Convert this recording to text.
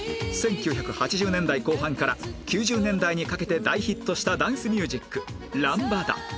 １９８０年代後半から９０年代にかけて大ヒットしたダンスミュージックランバダ